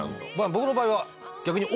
僕の場合は逆に。